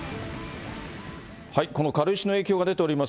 この軽石の影響が出ております